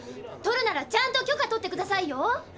とるならちゃんと許可取ってくださいよ。